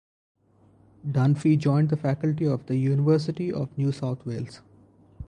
Dunphy joined the faculty of the University of New South Wales.